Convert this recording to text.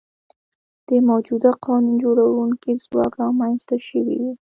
د موجوده قانون جوړوونکي ځواک رامنځته شوي وي.